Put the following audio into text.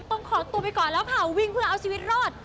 ต้องขอตัวไปก่อนแล้วค่ะวิ่งเพื่อเอาชีวิตรอด